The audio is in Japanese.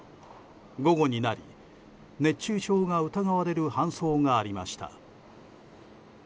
午後になり熱中症が疑われる搬送がありました。